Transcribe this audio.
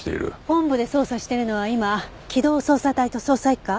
本部で捜査してるのは今機動捜査隊と捜査一課？